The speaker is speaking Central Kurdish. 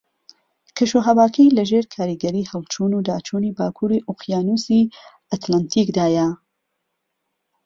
کەش وھەواکەی لە ژێر کاریگەری ھەڵچوون وداچوونی باکوری ئۆقیانوسی ئەتڵەنتیکدایە